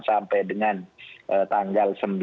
sampai dengan tanggal